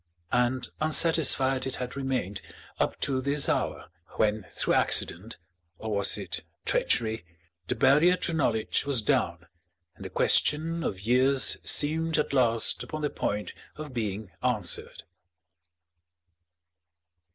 And unsatisfied it had remained up to this hour, when through accident or was it treachery the barrier to knowledge was down and the question of years seemed at last upon the point of being answered.